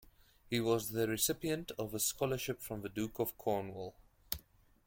He was the recipient of a scholarship from the Duke of Cornwall.